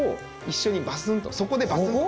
そこでバスンと。